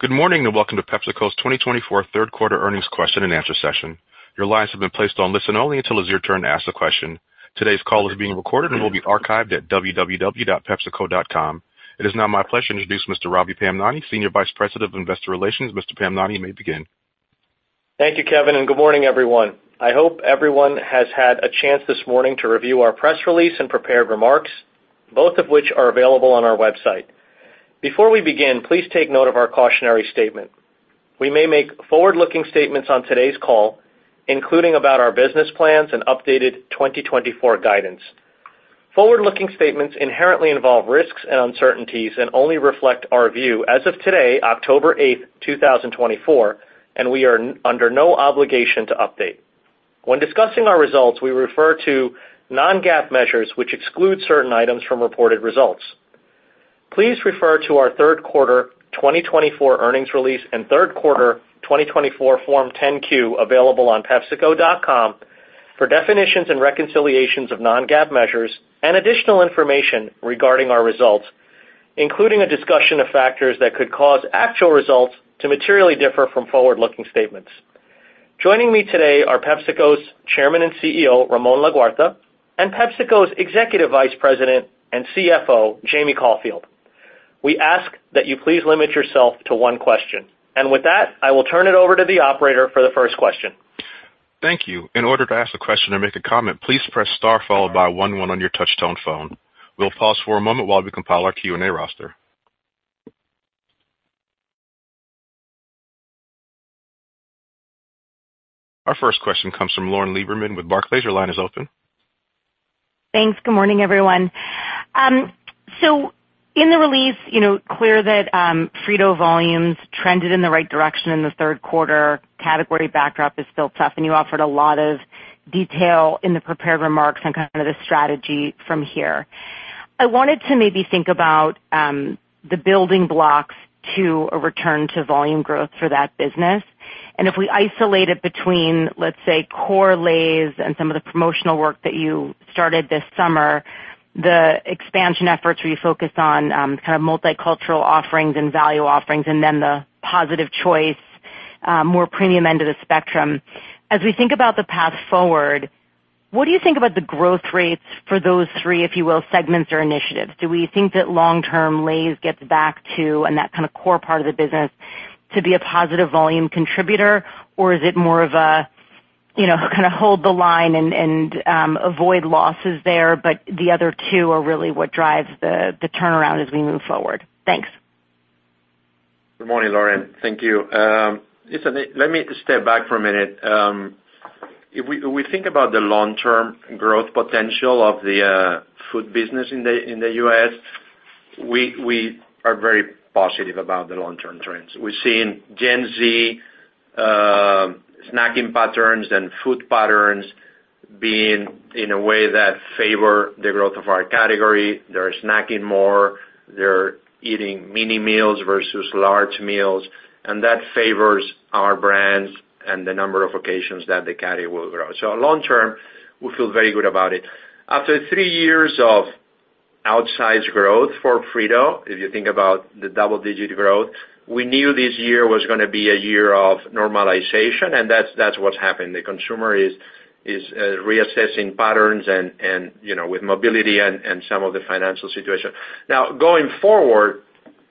Good morning, and welcome to PepsiCo's 2024 Third Quarter Earnings Question-and-Answer Session. Your lines have been placed on listen only until it's your turn to ask a question. Today's call is being recorded and will be archived at www.pepsico.com. It is now my pleasure to introduce Mr. Ravi Pamnani, Senior Vice President of Investor Relations. Mr. Pamnani, you may begin. Thank you, Kevin, and good morning, everyone. I hope everyone has had a chance this morning to review our press release and prepared remarks, both of which are available on our website. Before we begin, please take note of our cautionary statement. We may make forward-looking statements on today's call, including about our business plans and updated 2024 guidance. Forward-looking statements inherently involve risks and uncertainties and only reflect our view as of today, October 8th, 2024, and we are under no obligation to update. When discussing our results, we refer to non-GAAP measures, which exclude certain items from reported results. Please refer to our Third Quarter 2024 Earnings Release and Third Quarter 2024 Form 10-Q, available on pepsico.com, for definitions and reconciliations of non-GAAP measures and additional information regarding our results, including a discussion of factors that could cause actual results to materially differ from forward-looking statements. Joining me today are PepsiCo's Chairman and CEO, Ramon Laguarta, and PepsiCo's Executive Vice President and CFO, Jamie Caulfield. We ask that you please limit yourself to one question. And with that, I will turn it over to the operator for the first question. Thank you. In order to ask a question or make a comment, please press star followed by one one on your touchtone phone. We'll pause for a moment while we compile our Q&A roster. Our first question comes from Lauren Lieberman with Barclays. Your line is open. Thanks. Good morning, everyone. So in the release, you know, it's clear that Frito volumes trended in the right direction in the third quarter. Category backdrop is still tough, and you offered a lot of detail in the prepared remarks and kind of the strategy from here. I wanted to maybe think about the building blocks to a return to volume growth for that business, and if we isolate it between, let's say, core Lay's and some of the promotional work that you started this summer, the expansion efforts where you focused on kind of multicultural offerings and value offerings, and then the Positive Choice, more premium end of the spectrum. As we think about the path forward, what do you think about the growth rates for those three, if you will, segments or initiatives? Do we think that long-term Lay's gets back to, and that kind of core part of the business, to be a positive volume contributor? Or is it more of a, you know, kind of hold the line and avoid losses there, but the other two are really what drives the turnaround as we move forward? Thanks. Good morning, Lauren. Thank you. Listen, let me step back for a minute. If we think about the long-term growth potential of the food business in the U.S., we are very positive about the long-term trends. We've seen Gen Z snacking patterns and food patterns being in a way that favor the growth of our category. They're snacking more, they're eating mini meals vs large meals, and that favors our brands and the number of occasions that the category will grow. So long term, we feel very good about it. After three years of outsized growth for Frito, if you think about the double-digit growth, we knew this year was gonna be a year of normalization, and that's what's happened. The consumer is reassessing patterns and, you know, with mobility and some of the financial situation. Now, going forward,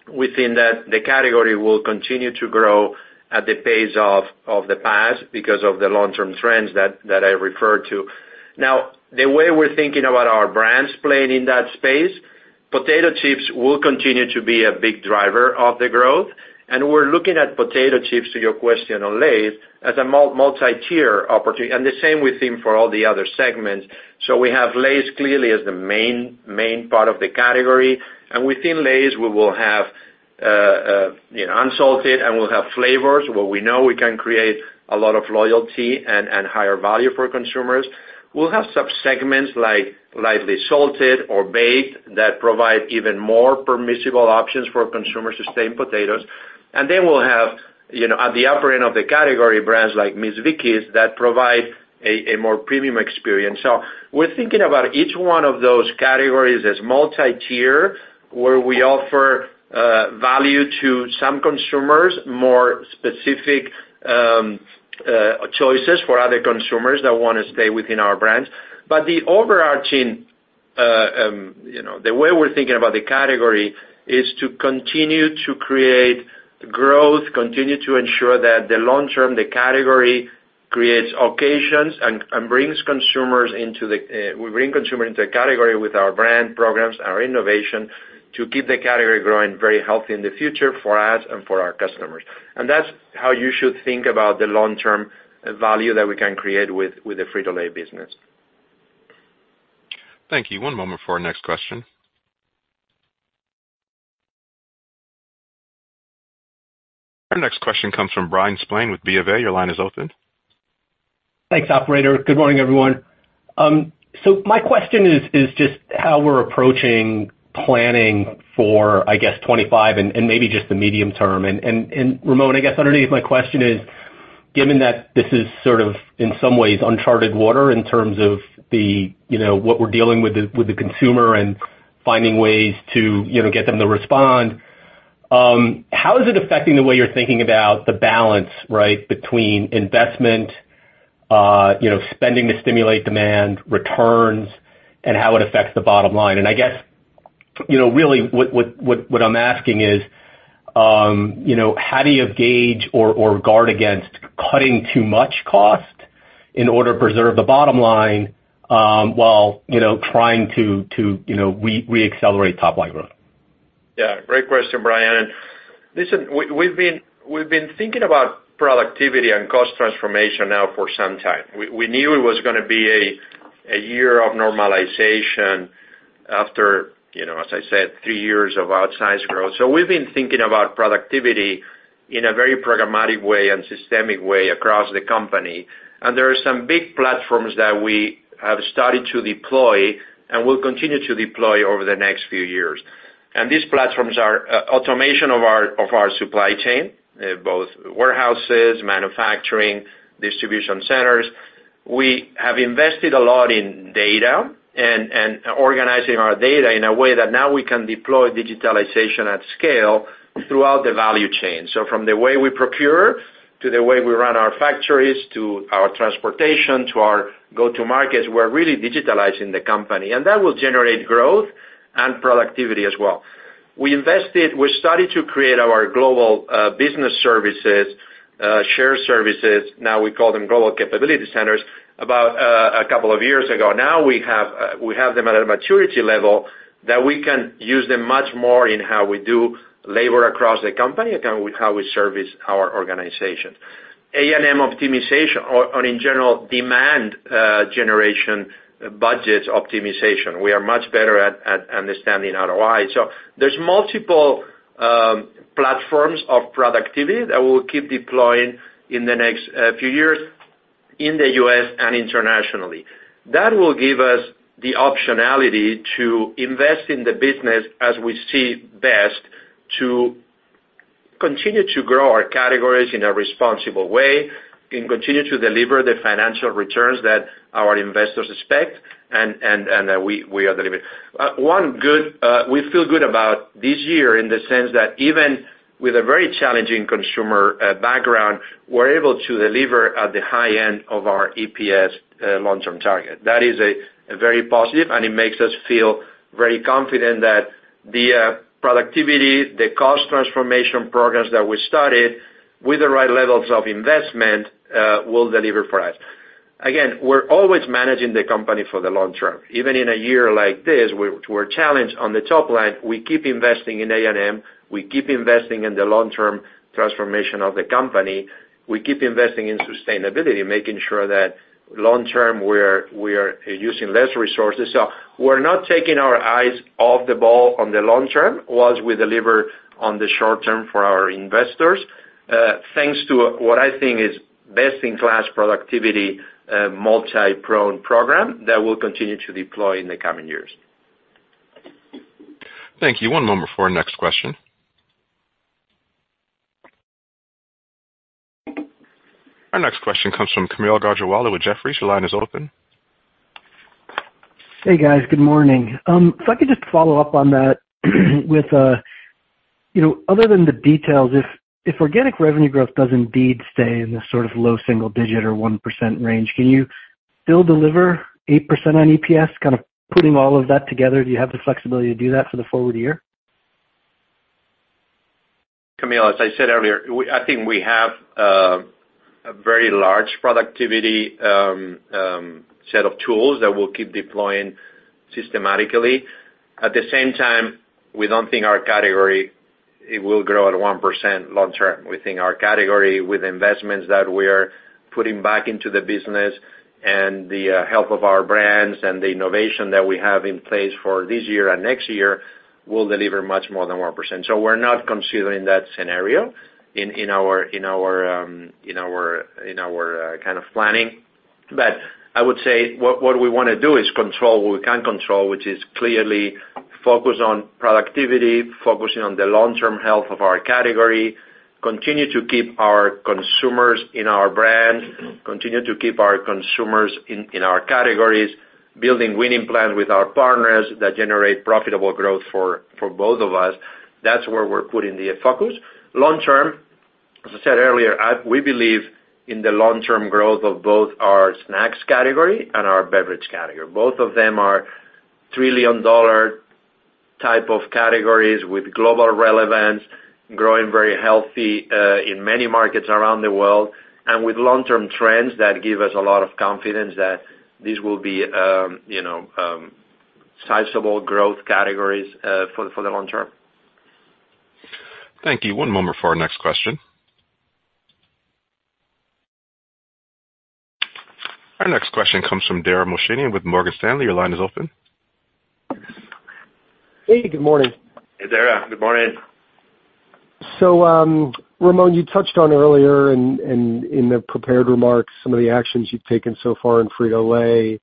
within that, the category will continue to grow at the pace of the past because of the long-term trends that I referred to. Now, the way we're thinking about our brands playing in that space, potato chips will continue to be a big driver of the growth, and we're looking at potato chips, to your question on Lay's, as a multi-tier opportunity, and the same with them for all the other segments. So we have Lay's clearly as the main part of the category, and within Lay's, we will have you know, unsalted, and we'll have flavors, where we know we can create a lot of loyalty and higher value for consumers. We'll have subsegments like lightly salted or baked that provide even more permissible options for consumers to stay in potatoes. Then we'll have, you know, at the upper end of the category, brands like Miss Vickie's that provide a more premium experience. We're thinking about each one of those categories as multi-tier, where we offer value to some consumers, more specific choices for other consumers that wanna stay within our brands. The overarching way we're thinking about the category is to continue to create growth, continue to ensure that the long term, the category creates occasions and brings consumers into the category with our brand programs, our innovation, to keep the category growing very healthy in the future for us and for our customers. That's how you should think about the long-term value that we can create with the Frito-Lay business. Thank you. One moment for our next question. Our next question comes from Bryan Spillane with B of A. Your line is open. Thanks, operator. Good morning, everyone. So my question is just how we're approaching planning for, I guess, 2025 and Ramon, I guess underneath my question is-... given that this is sort of, in some ways, uncharted water in terms of the, you know, what we're dealing with, with the consumer and finding ways to, you know, get them to respond, how is it affecting the way you're thinking about the balance, right? Between investment, you know, spending to stimulate demand, returns, and how it affects the bottom line? And I guess, you know, really what I'm asking is, you know, how do you gauge or guard against cutting too much cost in order to preserve the bottom line, while, you know, trying to, you know, reaccelerate top-line growth? Yeah, great question, Bryan. Listen, we've been thinking about productivity and cost transformation now for some time. We knew it was gonna be a year of normalization after, you know, as I said, three years of outsized growth. So we've been thinking about productivity in a very programmatic way and systemic way across the company, and there are some big platforms that we have started to deploy and will continue to deploy over the next few years, and these platforms are automation of our supply chain, both warehouses, manufacturing, distribution centers. We have invested a lot in data and organizing our data in a way that now we can deploy digitalization at scale throughout the value chain. So from the way we procure, to the way we run our factories, to our transportation, to our go-to-markets, we're really digitalizing the company, and that will generate growth and productivity as well. We invested. We started to create our global business services, shared services; now we call them global capability centers, about a couple of years ago. Now we have them at a maturity level that we can use them much more in how we do labor across the company and how we service our organization. A&M optimization or in general, demand generation budgets optimization, we are much better at understanding ROI. So there's multiple platforms of productivity that we'll keep deploying in the next few years in the U.S. and internationally. That will give us the optionality to invest in the business as we see best, to continue to grow our categories in a responsible way, and continue to deliver the financial returns that our investors expect, and we are delivering. We feel good about this year in the sense that even with a very challenging consumer background, we're able to deliver at the high end of our EPS long-term target. That is a very positive, and it makes us feel very confident that the productivity, the cost transformation programs that we started, with the right levels of investment, will deliver for us. Again, we're always managing the company for the long term. Even in a year like this, we're challenged on the top line. We keep investing in A&M, we keep investing in the long-term transformation of the company, we keep investing in sustainability, making sure that long term, we're using less resources. So we're not taking our eyes off the ball on the long term, while we deliver on the short term for our investors, thanks to what I think is best-in-class productivity, multi-year program that we'll continue to deploy in the coming years. Thank you. One moment for our next question. Our next question comes from Kaumil Gajrawala with Jefferies. Your line is open. Hey, guys. Good morning. If I could just follow up on that, with, you know, other than the details, if organic revenue growth does indeed stay in this sort of low single digit or 1% range, can you still deliver 8% on EPS? Kind of putting all of that together, do you have the flexibility to do that for the forward year? Kaumil, as I said earlier, I think we have a very large productivity set of tools that we'll keep deploying systematically. At the same time, we don't think our category, it will grow at 1% long term. We think our category, with investments that we are putting back into the business and the health of our brands and the innovation that we have in place for this year and next year, will deliver much more than 1%. So we're not considering that scenario in our kind of planning. But I would say what we wanna do is control what we can control, which is clearly focus on productivity, focusing on the long-term health of our category, continue to keep our consumers in our brand, continue to keep our consumers in our categories, building winning plans with our partners that generate profitable growth for both of us. That's where we're putting the focus. Long term, as I said earlier, we believe in the long-term growth of both our snacks category and our beverage category. Both of them are trillion-dollar type of categories with global relevance, growing very healthy in many markets around the world, and with long-term trends that give us a lot of confidence that these will be you know sizable growth categories for the long term. Thank you. One moment for our next question. Our next question comes from Dara Mohsenian with Morgan Stanley. Your line is open. Hey, good morning. Hey, Dara, good morning. Ramon, you touched on earlier in the prepared remarks some of the actions you've taken so far in Frito-Lay....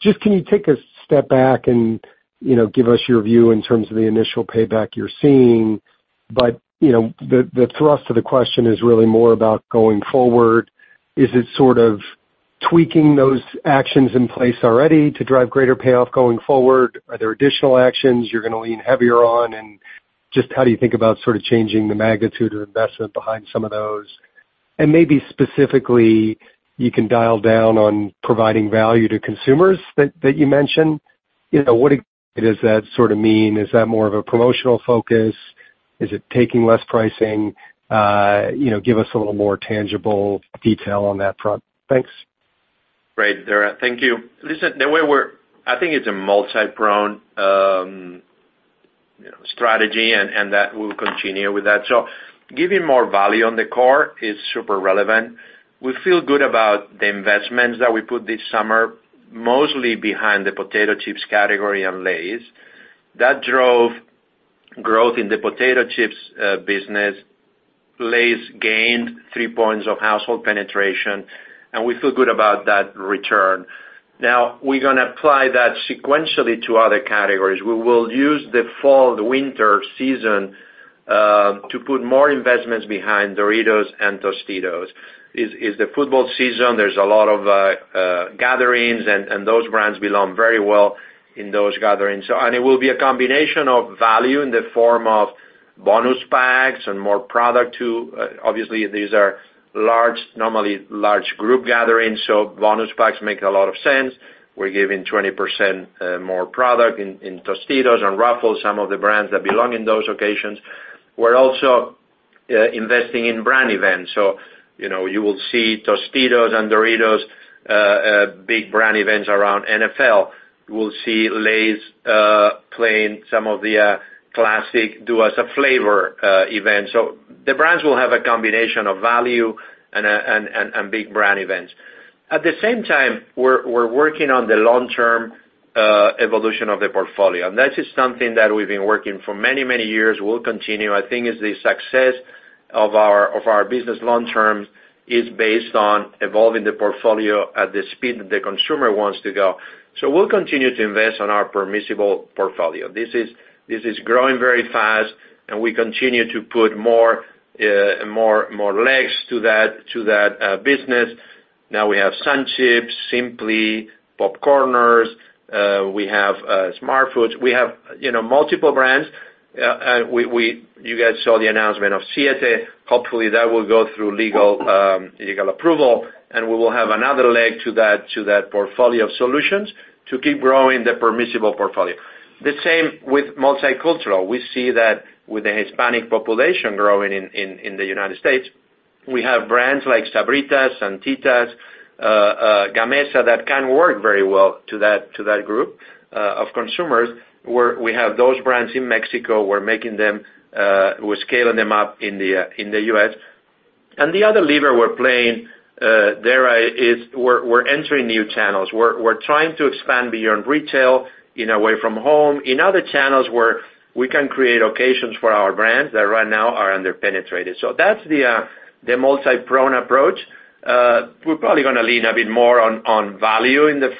Just can you take a step back and, you know, give us your view in terms of the initial payback you're seeing? But, you know, the thrust of the question is really more about going forward. Is it sort of tweaking those actions in place already to drive greater payoff going forward? Are there additional actions you're gonna lean heavier on? And just how do you think about sort of changing the magnitude of investment behind some of those? And maybe specifically, you can dial down on providing value to consumers that you mentioned. You know, what does that sort of mean? Is that more of a promotional focus? Is it taking less pricing? You know, give us a little more tangible detail on that front. Thanks. Great, Dara. Thank you. Listen, the way we're—I think it's a multi-pronged, you know, strategy, and that we'll continue with that. So giving more value on the core is super relevant. We feel good about the investments that we put this summer, mostly behind the potato chips category on Lay's. That drove growth in the Potato Chips business. Lay's gained three points of household penetration, and we feel good about that return. Now, we're gonna apply that sequentially to other categories. We will use the fall, the winter season, to put more investments behind Doritos and Tostitos. It's the football season, there's a lot of gatherings, and those brands belong very well in those gatherings. So... It will be a combination of value in the form of bonus packs and more product to, obviously, these are large, normally large group gatherings, so bonus packs make a lot of sense. We're giving 20% more product in Tostitos and Ruffles, some of the brands that belong in those occasions. We're also investing in brand events. You know, you will see Tostitos and Doritos big brand events around NFL. You will see Lay's playing some of the classic Do Us a Flavor event. The brands will have a combination of value and big brand events. At the same time, we're working on the long-term evolution of the portfolio. That is something that we've been working for many, many years. We'll continue. I think it's the success of our business long term is based on evolving the portfolio at the speed that the consumer wants to go. So we'll continue to invest on our permissible portfolio. This is growing very fast, and we continue to put more legs to that business. Now we have SunChips, Simply, PopCorners, we have Smartfood. We have, you know, multiple brands. You guys saw the announcement of Siete. Hopefully, that will go through legal approval, and we will have another leg to that portfolio of solutions to keep growing the permissible portfolio. The same with multicultural. We see that with the Hispanic population growing in the United States, we have brands like Sabritas, Santitas, Gamesa, that can work very well to that group of consumers, where we have those brands in Mexico. We're making them, we're scaling them up in the U.S.. And the other lever we're playing, Dara, is we're entering new channels. We're trying to expand beyond retail, in away-from-home, in other channels where we can create occasions for our brands that right now are under-penetrated. So that's the multi-pronged approach. We're probably gonna lean a bit more on value in the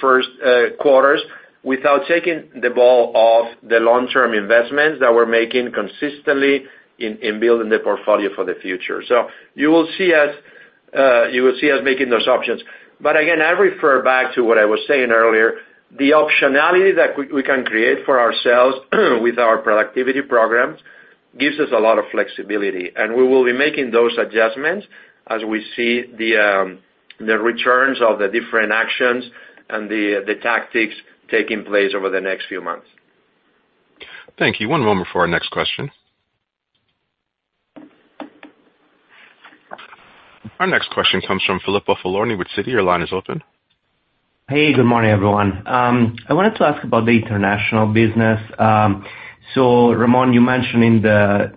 first quarters, without taking the eye off the long-term investments that we're making consistently in building the portfolio for the future. You will see us making those options. But again, I refer back to what I was saying earlier, the optionality that we can create for ourselves with our productivity programs gives us a lot of flexibility, and we will be making those adjustments as we see the returns of the different actions and the tactics taking place over the next few months. Thank you. One moment before our next question. Our next question comes from Filippo Falorni with Citi. Your line is open. Hey, good morning, everyone. I wanted to ask about the international business. So Ramon, you mentioned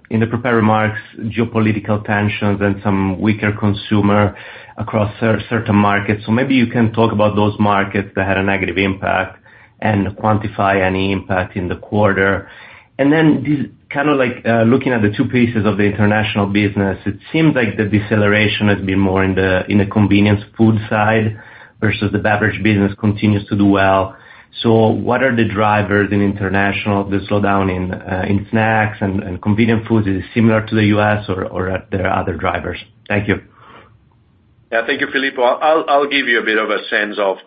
in the prepared remarks, geopolitical tensions and some weaker consumer across certain markets. So maybe you can talk about those markets that had a negative impact and quantify any impact in the quarter. And then just kind of like looking at the two pieces of the international business, it seems like the deceleration has been more in the convenience food side, versus the beverage business continues to do well. So what are the drivers in international, the slowdown in snacks and convenient foods? Is it similar to the U.S. or are there other drivers? Thank you. Yeah. Thank you, Filippo. I'll give you a bit of a sense of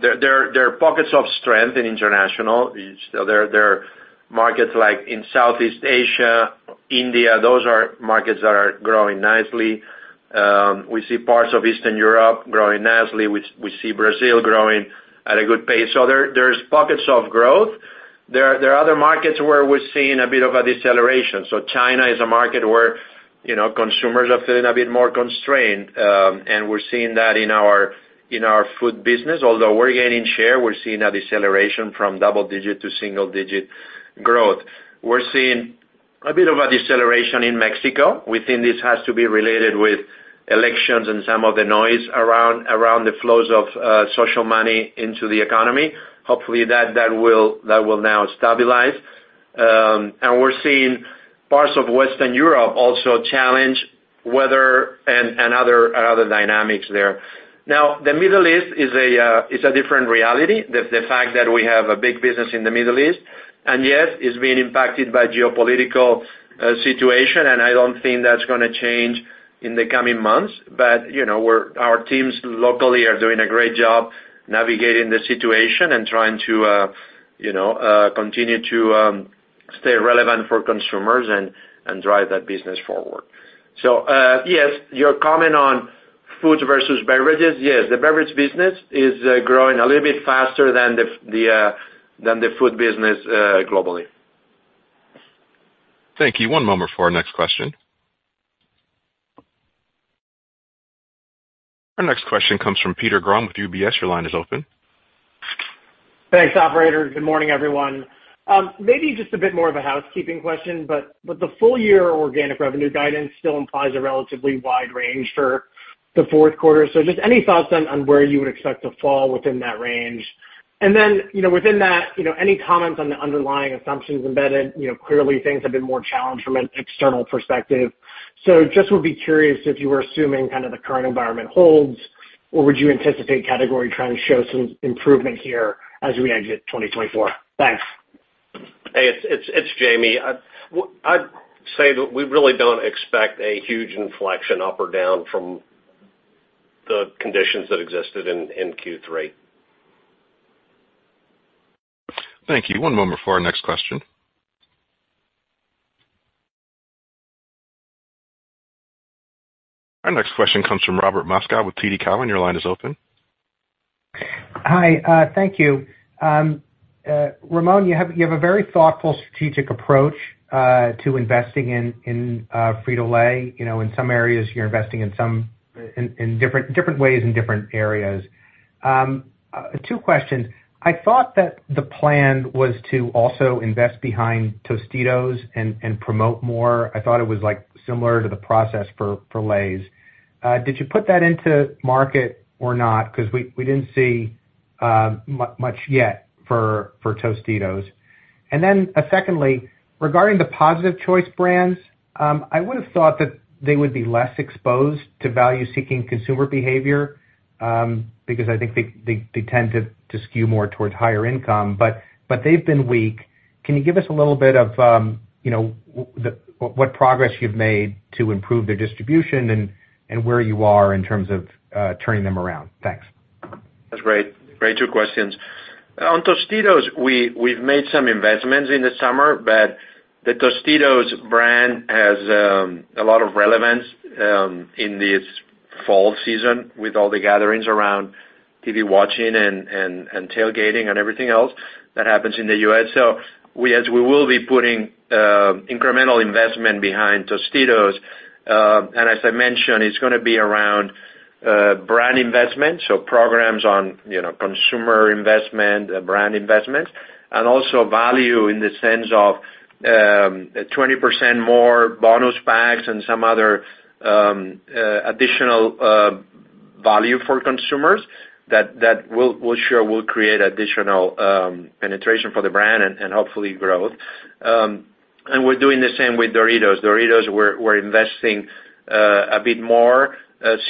there are pockets of strength in international. There are markets like in Southeast Asia, India, those are markets that are growing nicely. We see parts of Eastern Europe growing nicely. We see Brazil growing at a good pace. So there's pockets of growth. There are other markets where we're seeing a bit of a deceleration. So China is a market where, you know, consumers are feeling a bit more constrained, and we're seeing that in our food business. Although we're gaining share, we're seeing a deceleration from double digit to single digit growth. We're seeing a bit of a deceleration in Mexico. We think this has to be related with elections and some of the noise around the flows of social money into the economy. Hopefully, that will now stabilize. And we're seeing parts of Western Europe also challenging weather and other dynamics there. Now, the Middle East is a different reality. The fact that we have a big business in the Middle East, and yes, it's being impacted by geopolitical situation, and I don't think that's gonna change in the coming months. But, you know, our teams locally are doing a great job navigating the situation and trying to, you know, continue to stay relevant for consumers and drive that business forward. So, yes, your comment on foods versus beverages? Yes, the beverage business is growing a little bit faster than the food business globally. Thank you. One moment for our next question. Our next question comes from Peter Grom with UBS. Your line is open. Thanks, operator. Good morning, everyone. Maybe just a bit more of a housekeeping question, but the full year organic revenue guidance still implies a relatively wide range for the fourth quarter. So just any thoughts on where you would expect to fall within that range? And then, you know, within that, you know, any comments on the underlying assumptions embedded, you know, clearly things have been more challenged from an external perspective. So just would be curious if you were assuming kind of the current environment holds, or would you anticipate category trying to show some improvement here as we exit 2024? Thanks. Hey, it's Jamie. I'd say that we really don't expect a huge inflection up or down from the conditions that existed in Q3. Thank you. One moment for our next question. Our next question comes from Robert Moskow with TD Cowen. Your line is open. Hi, thank you. Ramon, you have a very thoughtful strategic approach to investing in Frito-Lay. You know, in some areas, you're investing in some different ways in different areas. Two questions: I thought that the plan was to also invest behind Tostitos and promote more. I thought it was, like, similar to the process for Lay's. Did you put that into market or not? Because we didn't see much yet for Tostitos. And then, secondly, regarding the Positive Choice brands, I would have thought that they would be less exposed to value-seeking consumer behavior, because I think they tend to skew more towards higher income, but they've been weak. Can you give us a little bit of, you know, what progress you've made to improve their distribution and where you are in terms of turning them around? Thanks. That's great. Great two questions. On Tostitos, we, we've made some investments in the summer, but the Tostitos brand has a lot of relevance in this fall season with all the gatherings around TV watching and tailgating and everything else that happens in the U.S.. So we will be putting incremental investment behind Tostitos, and as I mentioned, it's gonna be around brand investment, so programs on, you know, consumer investment, brand investment, and also value in the sense of 20% more bonus packs and some other additional value for consumers that will surely create additional penetration for the brand and hopefully growth. And we're doing the same with Doritos. Doritos, we're investing a bit more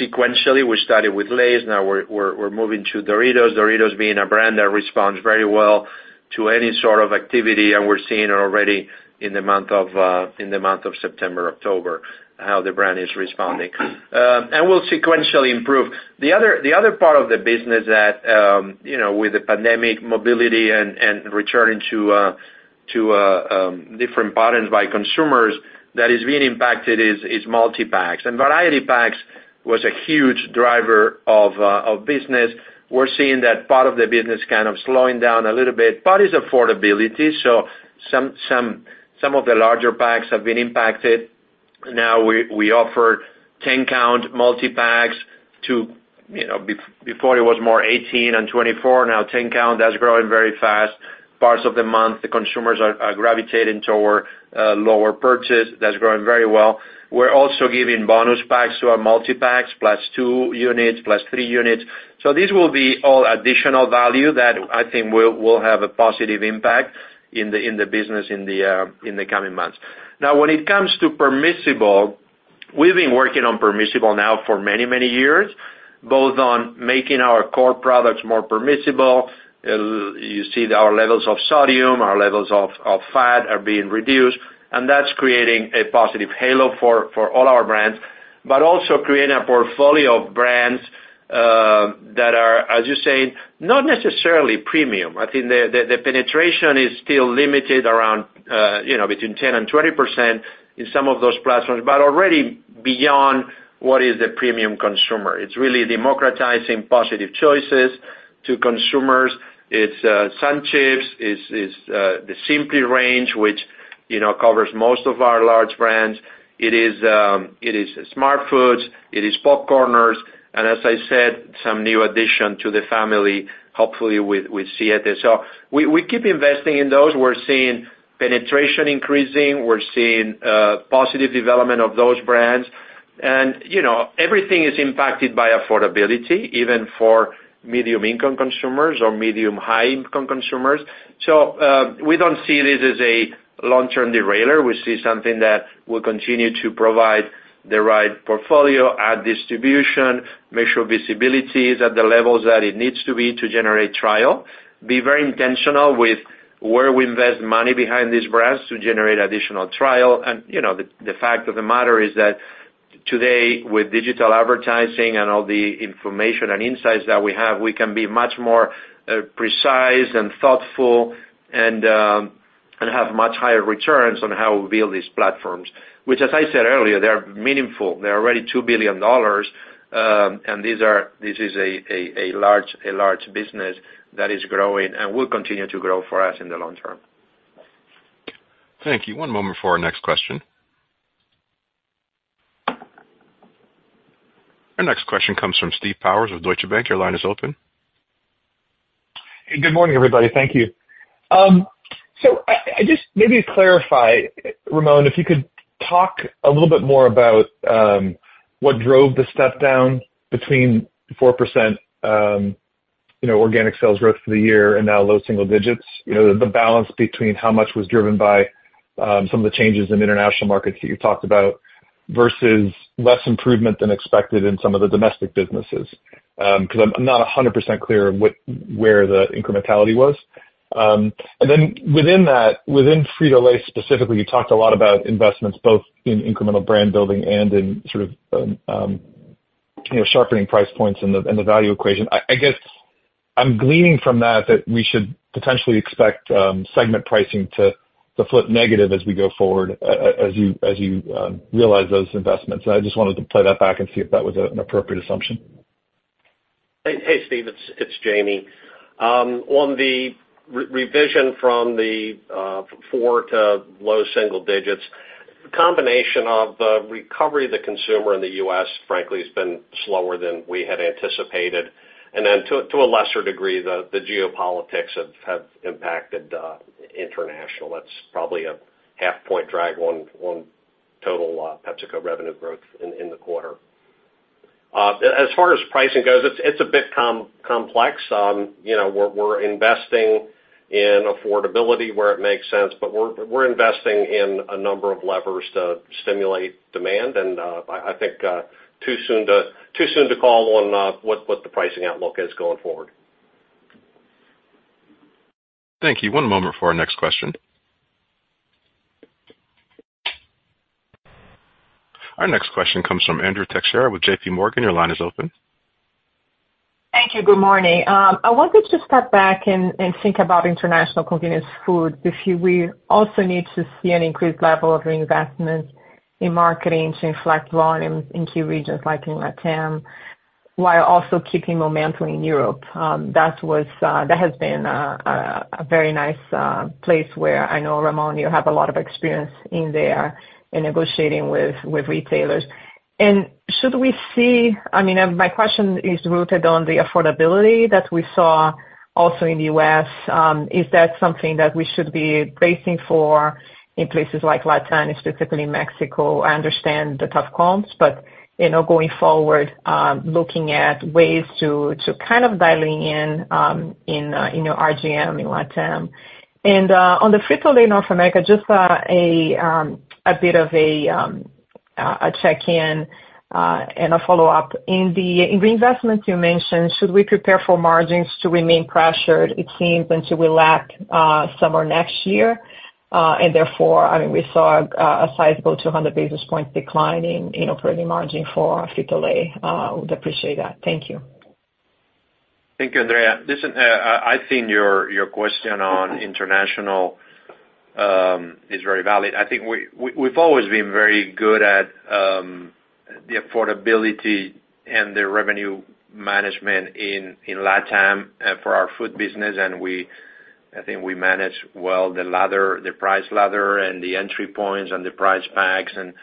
sequentially. We started with Lay's, now we're moving to Doritos. Doritos being a brand that responds very well to any sort of activity, and we're seeing already in the month of September, October, how the brand is responding. And we'll sequentially improve. The other part of the business that, you know, with the pandemic mobility and returning to different patterns by consumers that is being impacted is multipacks. And variety packs was a huge driver of business. We're seeing that part of the business kind of slowing down a little bit, part is affordability, so some of the larger packs have been impacted. Now, we offer 10-count multipacks to, you know, before it was more 18 and 24, now ten-count, that's growing very fast. Parts of the month, the consumers are gravitating toward lower purchase. That's growing very well. We're also giving bonus packs to our multipacks, plus two units, plus three units. So these will be all additional value that I think will have a positive impact in the business in the coming months. Now, when it comes to permissible, we've been working on permissible now for many, many years, both on making our core products more permissible. You see that our levels of sodium, our levels of fat are being reduced, and that's creating a positive halo for all our brands, but also creating a portfolio of brands that are, as you say, not necessarily premium. I think the penetration is still limited around, you know, between 10%-20% in some of those platforms, but already beyond what is the premium consumer. It's really democratizing positive choices to consumers. It's SunChips, it's the Simply range, which, you know, covers most of our large brands. It is Smartfood, it is PopCorners, and as I said, some new addition to the family, hopefully with, we see it. So we keep investing in those. We're seeing penetration increasing, we're seeing positive development of those brands. And, you know, everything is impacted by affordability, even for medium-income consumers or medium-high-income consumers. So we don't see this as a long-term derailer. We see something that will continue to provide the right portfolio, add distribution, make sure visibility is at the levels that it needs to be to generate trial, be very intentional with where we invest money behind these brands to generate additional trial. And, you know, the fact of the matter is that today, with digital advertising and all the information and insights that we have, we can be much more precise and thoughtful, and have much higher returns on how we build these platforms. Which, as I said earlier, they are meaningful. They're already $2 billion, and this is a large business that is growing and will continue to grow for us in the long term. Thank you. One moment for our next question. Our next question comes from Steve Powers with Deutsche Bank. Your line is open. Good morning, everybody. Thank you. So I just maybe clarify, Ramon, if you could talk a little bit more about what drove the step down between 4%, you know, organic sales growth for the year and now low single digits. You know, the balance between how much was driven by some of the changes in international markets that you talked about, versus less improvement than expected in some of the domestic businesses. 'Cause I'm not 100% clear what- where the incrementality was. And then within that, within Frito-Lay, specifically, you talked a lot about investments both in incremental brand building and in sort of, you know, sharpening price points in the value equation. I guess I'm gleaning from that, that we should potentially expect segment pricing to flip negative as we go forward, as you realize those investments. And I just wanted to play that back and see if that was an appropriate assumption. Hey, hey, Steve, it's Jamie. On the revision from the four to low single digits, combination of recovery of the consumer in the U.S., frankly, has been slower than we had anticipated, and then to a lesser degree, the geopolitics have impacted international. That's probably a half point drag on total PepsiCo revenue growth in the quarter. As far as pricing goes, it's a bit complex. You know, we're investing in affordability where it makes sense, but we're investing in a number of levers to stimulate demand, and I think too soon to call on what the pricing outlook is going forward. Thank you. One moment for our next question. Our next question comes from Andrea Teixeira with JP Morgan. Your line is open. Thank you. Good morning. I wanted to step back and think about international convenience food. If we also need to see an increased level of reinvestment in marketing to reflect volumes in key regions like in LATAM, while also keeping momentum in Europe. That has been a very nice place where I know, Ramon, you have a lot of experience in there in negotiating with retailers. And should we see... I mean, my question is rooted on the affordability that we saw also in the U.S.. Is that something that we should be bracing for in places like LATAM, and specifically Mexico? I understand the tough comps, but, you know, going forward, looking at ways to kind of dialing in, in your RGM in LATAM. And on the Frito-Lay North America, just a bit of a check-in and a follow-up. In the investments you mentioned, should we prepare for margins to remain pressured, it seems, until late summer next year? And therefore, I mean, we saw a sizable 200 basis points decline in, you know, operating margin for Frito-Lay. Would appreciate that. Thank you. Thank you, Andrea. Listen, I think your question on international is very valid. I think we've always been very good at the affordability and the revenue management in LATAM for our food business, and I think we manage well the ladder, the price ladder and the entry points and the price packs and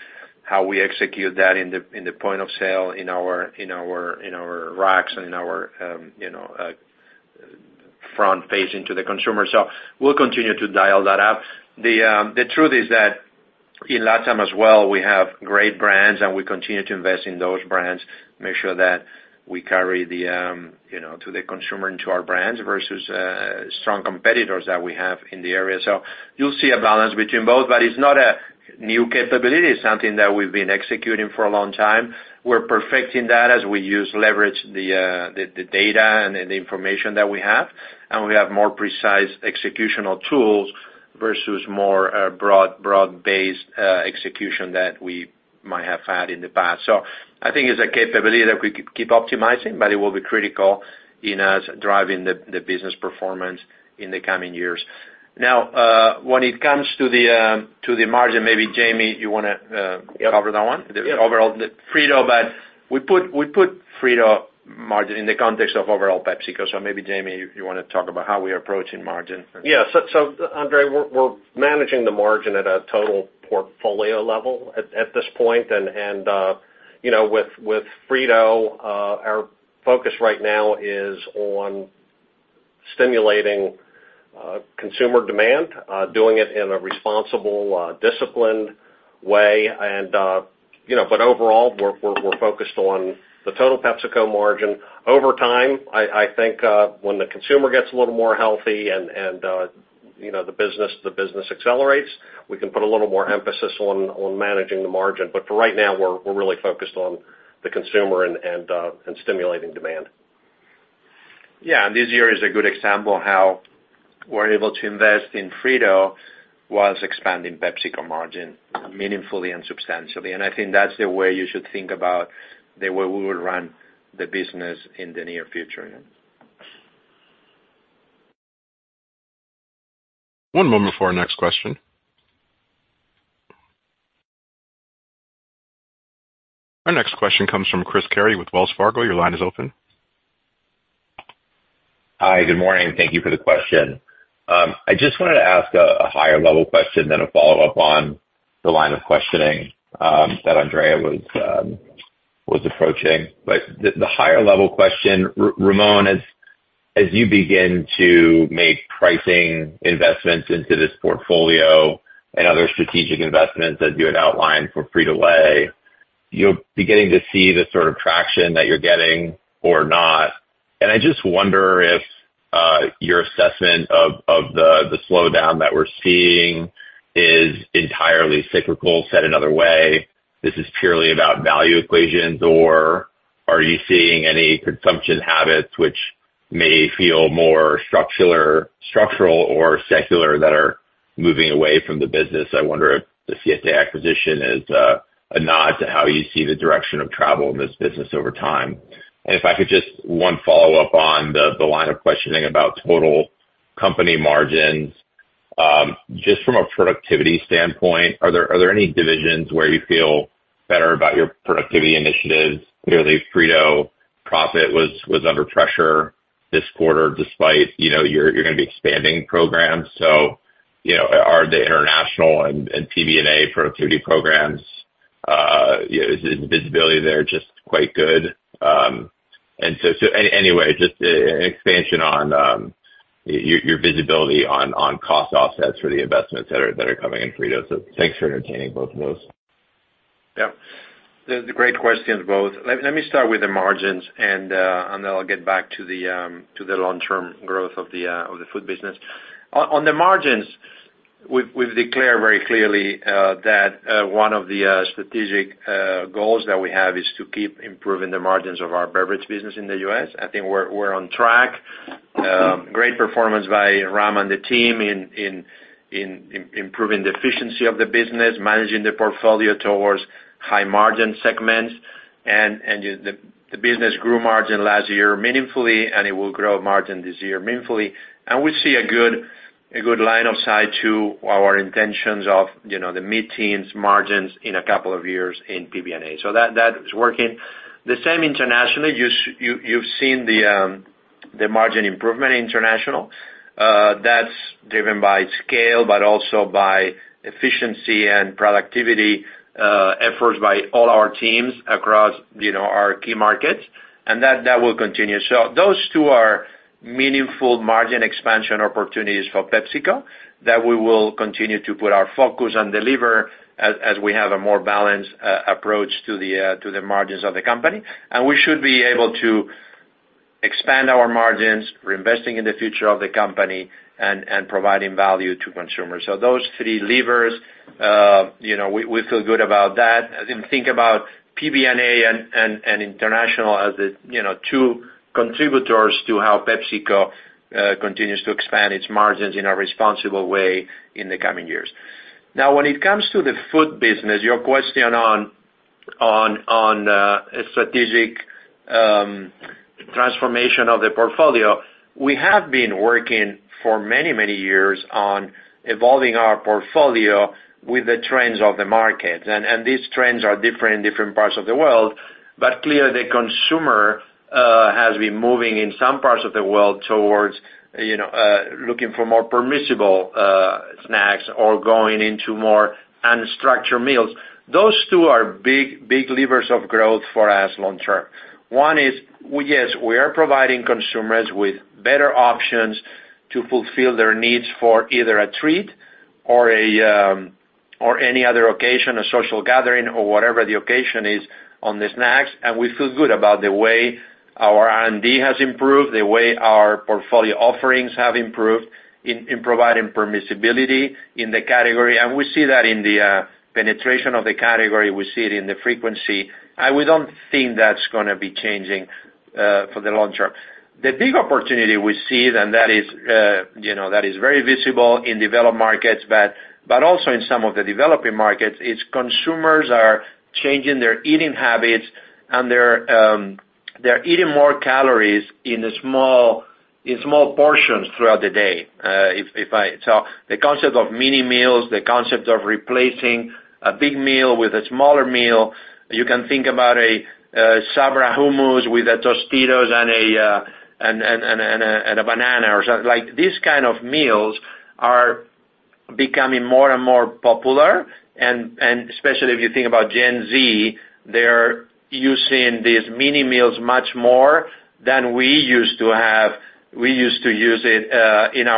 how we execute that in the point of sale, in our racks and in our you know front facing to the consumer. So we'll continue to dial that up. The truth is that in LATAM as well, we have great brands, and we continue to invest in those brands, make sure that we carry the you know to the consumer and to our brands versus strong competitors that we have in the area. So you'll see a balance between both, but it's not a new capability. It's something that we've been executing for a long time. We're perfecting that as we use leverage the data and the information that we have, and we have more precise executional tools versus more broad-based execution that we might have had in the past. So I think it's a capability that we keep optimizing, but it will be critical in us driving the business performance in the coming years. Now, when it comes to the margin, maybe, Jamie, you wanna Yep. cover that one? Yep. The overall Frito-Lay, but we put Frito-Lay margin in the context of overall PepsiCo. So maybe, Jamie, you wanna talk about how we are approaching margin? Yeah. So, Andrea, we're managing the margin at a total portfolio level at this point. And you know, with Frito, our focus right now is on stimulating consumer demand, doing it in a responsible, disciplined way. And you know, but overall, we're focused on the total PepsiCo margin. Over time, I think, when the consumer gets a little more healthy and you know, the business accelerates, we can put a little more emphasis on managing the margin. But for right now, we're really focused on the consumer and stimulating demand. Yeah, and this year is a good example how we're able to invest in Frito, while expanding PepsiCo margin meaningfully and substantially. And I think that's the way you should think about the way we will run the business in the near future. One moment for our next question. Our next question comes from Chris Carey with Wells Fargo. Your line is open. Hi, good morning, thank you for the question. I just wanted to ask a higher level question, then a follow-up on the line of questioning that Andrea was approaching. But the higher level question, Ramon, as you begin to make pricing investments into this portfolio and other strategic investments that you had outlined for Frito-Lay, you're beginning to see the sort of traction that you're getting or not. And I just wonder if your assessment of the slowdown that we're seeing is entirely cyclical. Said another way, this is purely about value equations, or are you seeing any consumption habits which may feel more structural or secular that are moving away from the business? I wonder if the Siete acquisition is a nod to how you see the direction of travel in this business over time. And if I could just one follow-up on the line of questioning about total company margins. Just from a productivity standpoint, are there any divisions where you feel better about your productivity initiatives? Clearly, Frito-Lay profit was under pressure this quarter, despite, you know, you're gonna be expanding programs. So, you know, are the international and PBNA productivity programs, you know, is the visibility there just quite good? And so anyway, just an expansion on your visibility on cost offsets for the investments that are coming in Frito-Lay. So thanks for entertaining both of those. Yeah. They're great questions, both. Let me start with the margins, and then I'll get back to the long-term growth of the food business. On the margins, we've declared very clearly that one of the strategic goals that we have is to keep improving the margins of our beverage business in the U.S. I think we're on track. Great performance by Ram and the team improving the efficiency of the business, managing the portfolio towards high margin segments. And the business grew margin last year meaningfully, and it will grow margin this year meaningfully. And we see a good line of sight to our intentions of, you know, the mid-teens margins in a couple of years in PBNA. So that is working. The same internationally. You've seen the margin improvement in international. That's driven by scale, but also by efficiency and productivity efforts by all our teams across, you know, our key markets, and that will continue. So those two are meaningful margin expansion opportunities for PepsiCo, that we will continue to put our focus and deliver as we have a more balanced approach to the margins of the company. And we should be able to expand our margins, we're investing in the future of the company, and providing value to consumers. So those three levers, you know, we feel good about that. And think about PBNA and international as the two contributors to how PepsiCo continues to expand its margins in a responsible way in the coming years. Now, when it comes to the food business, your question on strategic transformation of the portfolio, we have been working for many, many years on evolving our portfolio with the trends of the market. And these trends are different in different parts of the world, but clearly, the consumer has been moving in some parts of the world towards, you know, looking for more permissible snacks or going into more unstructured meals. Those two are big, big levers of growth for us long term. One is, we. Yes, we are providing consumers with better options to fulfill their needs for either a treat or a, or any other occasion, a social gathering or whatever the occasion is on the snacks. And we feel good about the way our R&D has improved, the way our portfolio offerings have improved in providing permissibility in the category. We see that in the penetration of the category, we see it in the frequency, and we don't think that's gonna be changing for the long term. The big opportunity we see, and that is, you know, that is very visible in developed markets, but also in some of the developing markets, is consumers are changing their eating habits, and they're eating more calories in small portions throughout the day. So the concept of mini meals, the concept of replacing a big meal with a smaller meal, you can think about a Sabra hummus with a Tostitos and a banana or so. Like, these kind of meals are becoming more and more popular, and especially if you think about Gen Z, they're using these mini meals much more than we used to have, we used to use it in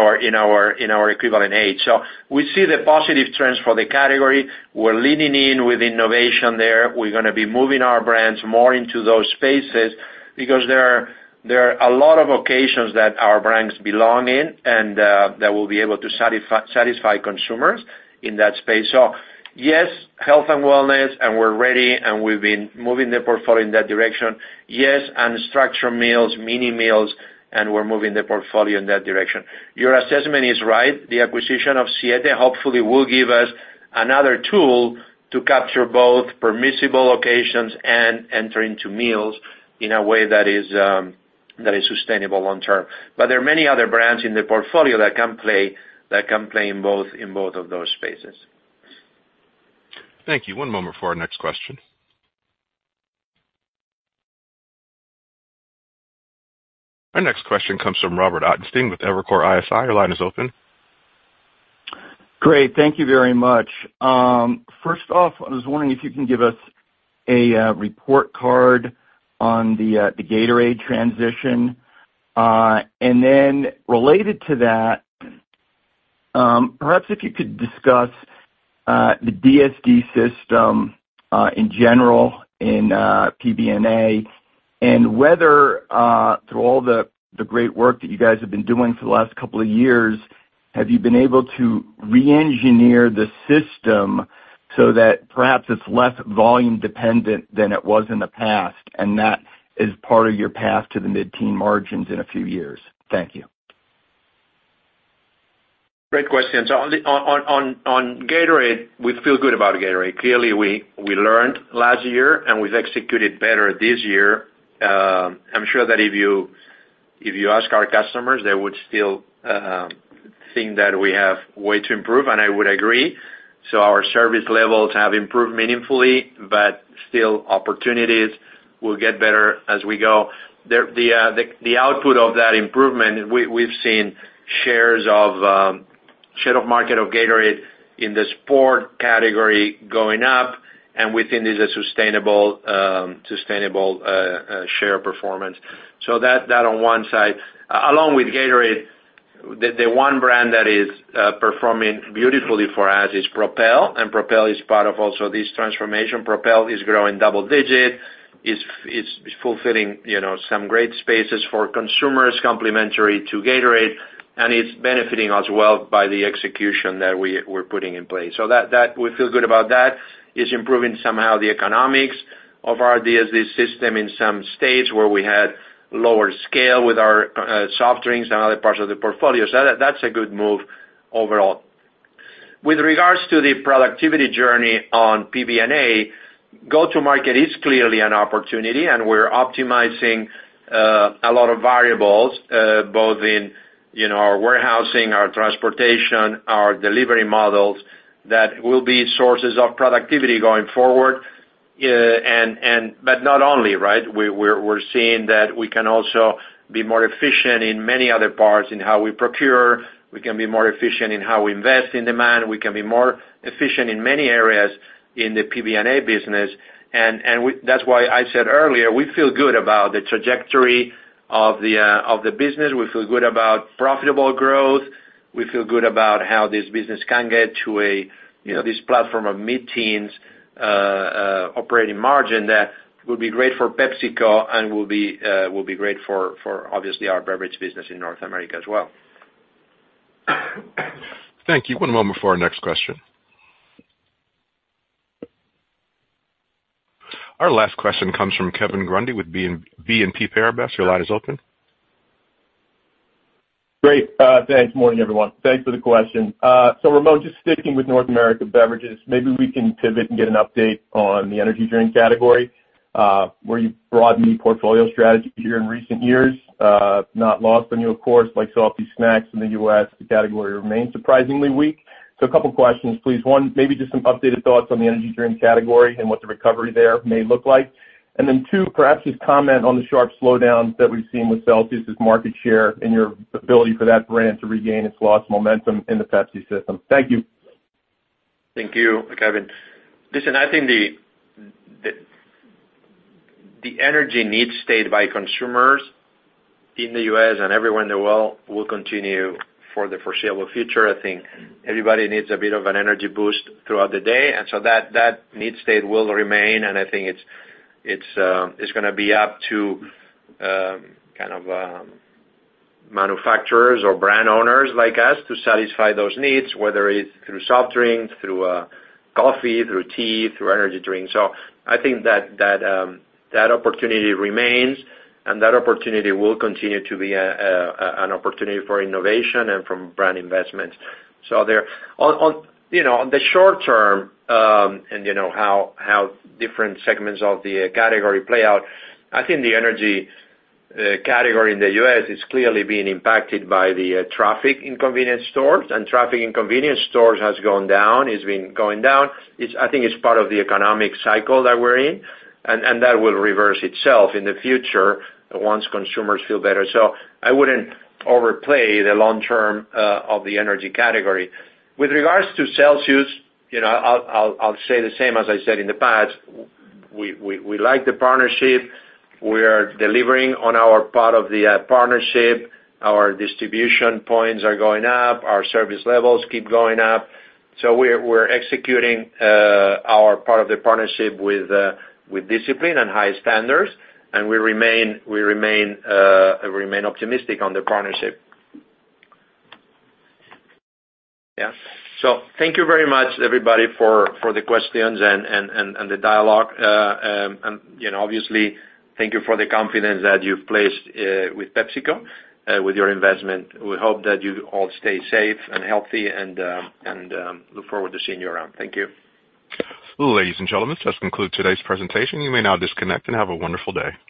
our equivalent age. So we see the positive trends for the category. We're leaning in with innovation there. We're gonna be moving our brands more into those spaces, because there are a lot of occasions that our brands belong in, and that will be able to satisfy consumers in that space. So yes, health and wellness, and we're ready, and we've been moving the portfolio in that direction. Yes, and structured meals, mini meals, and we're moving the portfolio in that direction. Your assessment is right. The acquisition of Siete hopefully will give us another tool to capture both permissible occasions and enter into meals in a way that is sustainable long term. But there are many other brands in the portfolio that can play in both of those spaces. Thank you. One moment for our next question. Our next question comes from Robert Ottenstein with Evercore ISI. Your line is open. Great, thank you very much. First off, I was wondering if you can give us a report card on the Gatorade transition. And then related to that, perhaps if you could discuss the DSD system in general in PBNA, and whether through all the great work that you guys have been doing for the last couple of years, have you been able to re-engineer the system so that perhaps it's less volume dependent than it was in the past, and that is part of your path to the mid-teen margins in a few years? Thank you. Great question. So on Gatorade, we feel good about Gatorade. Clearly, we learned last year, and we've executed better this year. I'm sure that if you ask our customers, they would still think that we have way to improve, and I would agree. So our service levels have improved meaningfully, but still opportunities will get better as we go. The output of that improvement, we've seen share of market of Gatorade in the sport category going up, and we think this is a sustainable share performance. So that on one side. Along with Gatorade, the one brand that is performing beautifully for us is Propel, and Propel is part of also this transformation. Propel is growing double digit. It's fulfilling, you know, some great spaces for consumers, complementary to Gatorade, and it's benefiting as well by the execution that we're putting in place. So that, we feel good about that. It's improving somehow the economics of our DSD system in some states where we had lower scale with our soft drinks and other parts of the portfolio. So that's a good move overall. With regards to the productivity journey on PBNA, go-to-market is clearly an opportunity, and we're optimizing a lot of variables both in, you know, our warehousing, our transportation, our delivery models, that will be sources of productivity going forward. But not only, right? We're seeing that we can also be more efficient in many other parts in how we procure. We can be more efficient in how we invest in demand. We can be more efficient in many areas in the PBNA business, and we... That's why I said earlier, we feel good about the trajectory of the business. We feel good about profitable growth. We feel good about how this business can get to a, you know, this platform of mid-teens operating margin that will be great for PepsiCo and will be great for, for obviously our beverage business in North America as well. Thank you. One moment for our next question. Our last question comes from Kevin Grundy with BNP Paribas. Your line is open. Great, thanks. Morning, everyone. Thanks for the question. So Ramon, just sticking with North America beverages, maybe we can pivot and get an update on the energy drink category, where you've broadened the portfolio strategy here in recent years. Not lost on you, of course, like salty snacks in the U.S., the category remains surprisingly weak. So a couple of questions, please. One, maybe just some updated thoughts on the energy drink category and what the recovery there may look like. And then two, perhaps just comment on the sharp slowdown that we've seen with Celsius' market share and your ability for that brand to regain its lost momentum in the Pepsi system. Thank you. Thank you, Kevin. Listen, I think the energy need state by consumers in the U.S. and everywhere in the world will continue for the foreseeable future. I think everybody needs a bit of an energy boost throughout the day, and so that need state will remain, and I think it's gonna be up to kind of manufacturers or brand owners like us to satisfy those needs, whether it's through soft drinks, through coffee, through tea, through energy drinks. So I think that opportunity remains, and that opportunity will continue to be an opportunity for innovation and from brand investment. So there... On the short term, you know, and you know how different segments of the category play out, I think the energy category in the U.S. is clearly being impacted by the traffic in convenience stores, and traffic in convenience stores has gone down. It's been going down. I think it's part of the economic cycle that we're in, and that will reverse itself in the future once consumers feel better. So I wouldn't overplay the long term of the energy category. With regards to Celsius, you know, I'll say the same as I said in the past, we like the partnership. We are delivering on our part of the partnership. Our distribution points are going up. Our service levels keep going up. We're executing our part of the partnership with discipline and high standards, and we remain optimistic on the partnership. Yeah. So thank you very much, everybody, for the questions and the dialogue. And, you know, obviously, thank you for the confidence that you've placed with PepsiCo with your investment. We hope that you all stay safe and healthy and look forward to seeing you around. Thank you. Ladies and gentlemen, this concludes today's presentation. You may now disconnect and have a wonderful day.